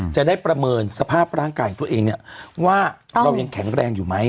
จะได้ประเมินสภาพร่างกายของตัวเองเนี่ยว่าเรายังแข็งแรงอยู่ไหม